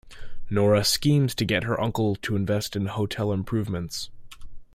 Nora schemes to get her uncle to invest in hotel improvements.